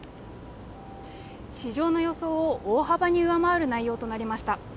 市場の予想を大幅に上回る内容となりました